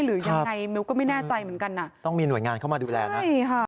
หรือยังไงมิวก็ไม่แน่ใจเหมือนกันอ่ะต้องมีหน่วยงานเข้ามาดูแลนะใช่ค่ะ